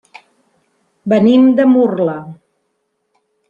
Venim de Murla.